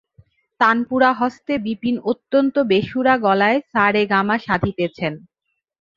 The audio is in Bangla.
তানপুরা-হস্তে বিপিন অত্যন্ত বেসুরা গলায় সা রে গা মা সাধিতেছেন।